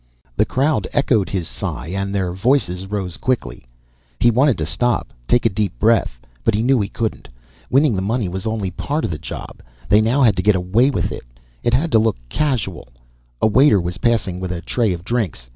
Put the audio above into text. The crowd echoed his sigh and their voices rose quickly. He wanted to stop, take a deep breath, but he knew he couldn't. Winning the money was only part of the job they now had to get away with it. It had to look casual. A waiter was passing with a tray of drinks.